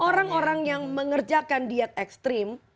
orang orang yang mengerjakan diet ekstrim